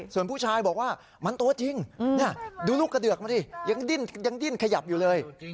ส่วนผู้ชายบอกว่ามันตัวจริงดูลูกกระเดือกมาดิยังดิ้นขยับอยู่เลย